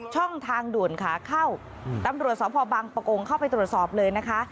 ช่องทางด่วนขาเข้าตำรวจสพบังปะโกงเข้าไปตรวจสอบเลยนะคะ